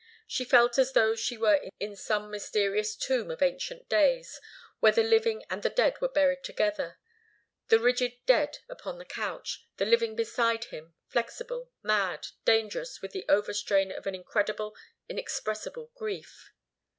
She felt as though she were in some mysterious tomb of ancient days, where the living and the dead were buried together the rigid dead upon his couch, the living beside him, flexible, mad, dangerous with the overstrain of an incredible, inexpressible grief.